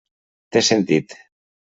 Té sentit.